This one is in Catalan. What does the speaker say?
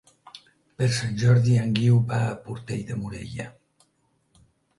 Per Sant Jordi en Guiu va a Portell de Morella.